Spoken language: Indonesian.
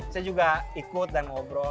saya juga ikut dan ngobrol